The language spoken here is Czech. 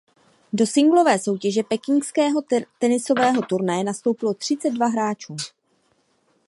Do singlové soutěže pekingského tenisového turnaje nastoupilo třicet dva hráčů.